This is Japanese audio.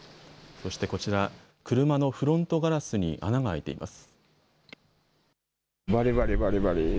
そしてこちら車のフロントガラスに穴が開いています。